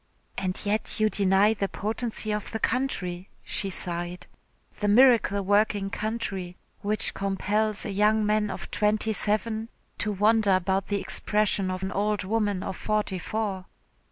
"And yet you deny the potency of the country," she sighed, "the miracle working country, which compels a young man of twenty seven to wonder about the expression of an old woman of forty four."